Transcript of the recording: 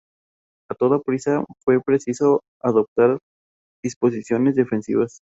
A toda prisa fue preciso adoptar disposiciones defensivas.